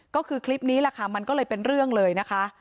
ก็คือคลิปนี้แหละค่ะมันก็เลยเป็นเรื่องเลยนะคะ